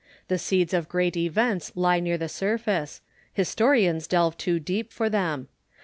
The seeds of great events lie near the surface ; historians delve too deep for them.